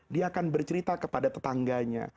dia akan bercerita kepada tetangganya